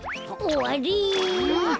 おわり！